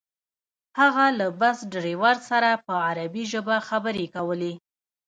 هغه له بس ډریور سره په عربي ژبه خبرې کولې.